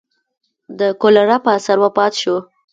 د کولرا په اثر وفات شو.